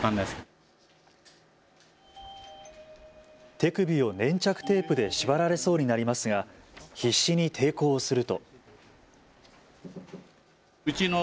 手首を粘着テープで縛られそうになりますが必死に抵抗をすると。